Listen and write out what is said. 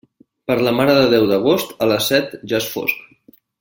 Per la Mare de Déu d'agost, a les set ja és fosc.